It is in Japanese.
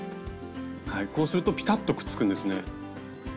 はいこうするとぴたっとくっつくんですね。